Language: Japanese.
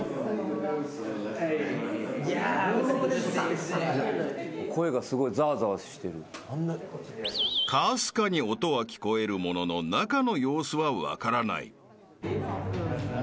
［かすかに音は聞こえるものの中の様子は分からない］